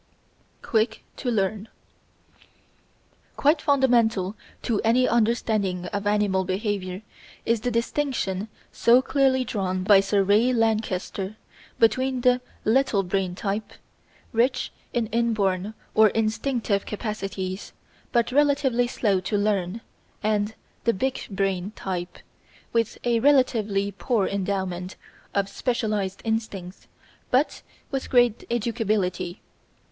Quick to Learn Quite fundamental to any understanding of animal behaviour is the distinction so clearly drawn by Sir Ray Lankester between the "little brain" type, rich in inborn or instinctive capacities, but relatively slow to learn, and the "big brain" type, with a relatively poor endowment of specialised instincts, but with great educability.